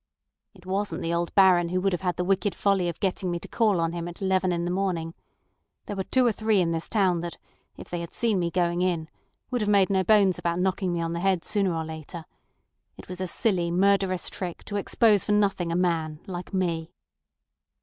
"It wasn't the old Baron who would have had the wicked folly of getting me to call on him at eleven in the morning. There are two or three in this town that, if they had seen me going in, would have made no bones about knocking me on the head sooner or later. It was a silly, murderous trick to expose for nothing a man—like me."